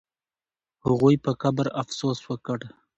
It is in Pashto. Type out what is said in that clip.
هغوی په قبر افسوس وکړ.